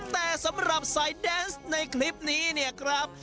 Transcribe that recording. แต่สำหรับสายแดนส์ในคลิปนี้เนี่ยครับ